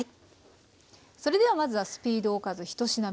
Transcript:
それではまずはスピードおかず１品目。